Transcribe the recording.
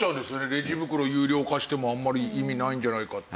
レジ袋有料化してもあんまり意味ないんじゃないかって。